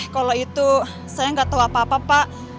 kalau itu saya nggak tahu apa apa pak